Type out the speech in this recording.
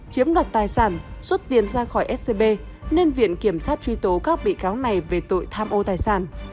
chiếm đoạt tài sản xuất tiền ra khỏi scb nên viện kiểm sát truy tố các bị cáo này về tội tham ô tài sản